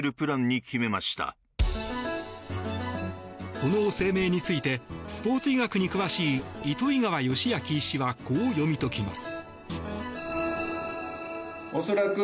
この声明についてスポーツ医学に詳しい糸魚川善昭医師はこう読み解きます。